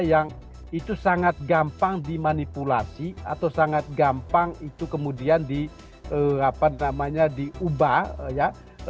yang itu sangat gampang dimanipulasi atau sangat gampang itu kemudian diubah ya